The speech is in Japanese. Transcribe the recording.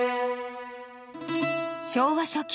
［昭和初期